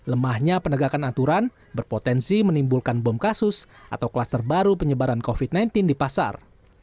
lemahnya penegakan aturan berpotensi menimbulkan bom kasus atau kluster baru penyebaran covid sembilan belas di pasar